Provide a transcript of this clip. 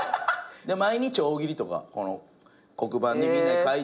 毎日大喜利とか黒板にみんなかいて。